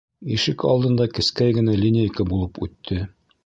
Ишек алдында кескәй генә линейка булып үтте.